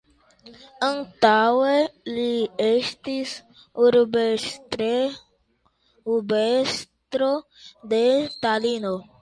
Antaŭe li estis urbestro de Talino.